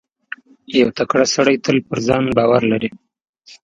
• یو تکړه سړی تل پر ځان باور لري.